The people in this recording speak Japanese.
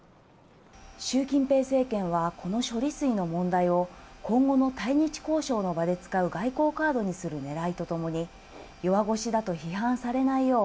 習近平政権は、この処理水の問題を、今後の対日交渉の場で使う外交カードにするねらいとともに、弱腰だと批判されないよう、